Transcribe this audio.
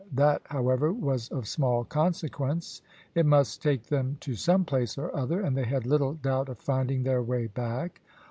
That, however, was of small consequence; it must take them to some place or other, and they had little doubt of finding their way back.